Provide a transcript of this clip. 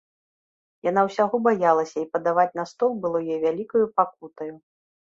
Яна ўсяго баялася, і падаваць на стол было ёй вялікаю пакутаю.